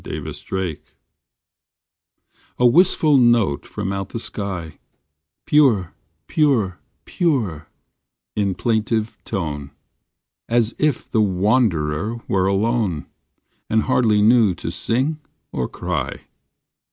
THE BLUEBIRD A WISTFUL note from out the sky, "Pure, pure, pure," in plaintive tone, As if the wand rer were alone, And hardly knew to sing or cry.